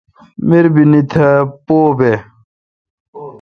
مربینی تھا پو بھ۔